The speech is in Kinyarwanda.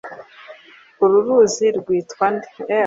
uru ruzi rwitwa nde?